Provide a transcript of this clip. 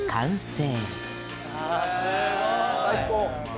すごい！最高！